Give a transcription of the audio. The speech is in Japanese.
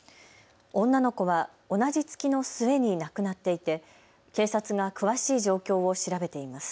女の子は同じ月の末に亡くなっていて警察が詳しい状況を調べています。